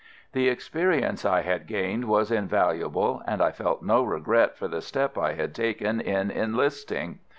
The experience I had gained was invaluable, and I felt no regret for the step I had taken in enlisting.